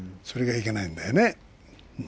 それがいけないんだよね。